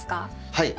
はい。